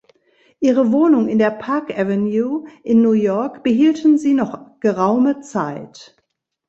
Ihre Wohnung in der Park Avenue in New York behielten sie noch geraume Zeit.